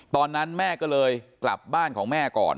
ตอนนั้นแม่ก็เลยกลับบ้านของแม่ก่อน